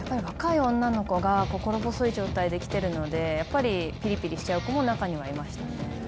若い女の子が心細い状態で来てるので、やっぱりぴりぴりしちゃう子も中にはいましたね。